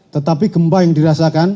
tetapi gempa yang dirasakan